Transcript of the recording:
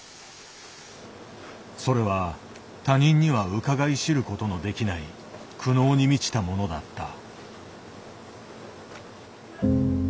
それは他人にはうかがい知ることのできない苦悩に満ちたものだった。